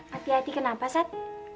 hati hati kenapa sat